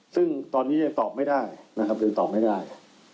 ซึ่งตอนนี้ยังตอบไม่ได้นะครับหรือตอบไม่ได้